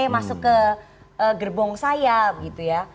masuk ke gerbong saya gitu ya